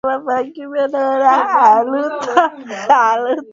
Mashirika ya habari mara nyingi lengo lao hutarajiwa